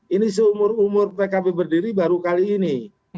ini seumur umur pkb berdiri baru kali ini